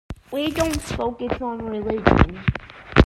We don't focus on religion.